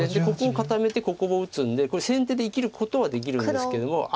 ここを固めてここを打つんでこれ先手で生きることはできるんですけども。